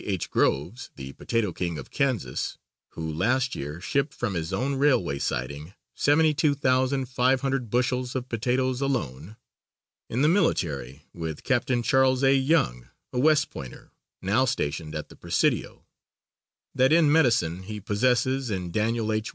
H. Groves, the potato king of Kansas, who last year shipped from his own railway siding seventy two thousand five hundred bushels of potatoes alone; in the military, with Capt. Charles A. Young, a West Pointer, now stationed at the Presidio; that in medicine, he possesses in Daniel H.